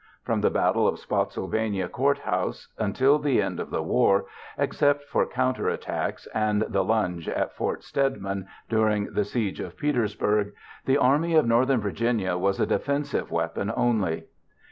From the Battle of Spotsylvania Court House until the end of the war, except for counterattacks and the lunge at Fort Stedman during the siege of Petersburg, the Army of Northern Virginia was a defensive weapon only.